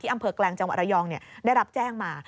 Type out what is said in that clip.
อำเภอแกลงจังหวัดระยองได้รับแจ้งมา